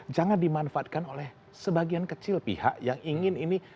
jangan dimanfaatkan oleh sebagian kecil pihak yang ingin ini